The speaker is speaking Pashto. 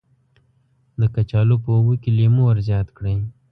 د کچالو په اوبو کې لیمو ور زیات کړئ.